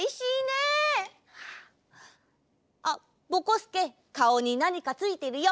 すけかおになにかついてるよ。